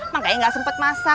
makanya nggak sempet masak